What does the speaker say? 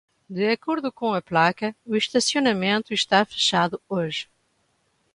De acordo com a placa, o estacionamento está fechado hoje